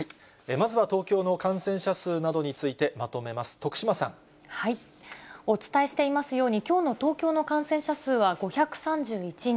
まずは東京の感染者数などにお伝えしていますように、きょうの東京の感染者数は５３１人。